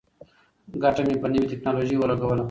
ګټه مې په نوې ټیکنالوژۍ ولګوله.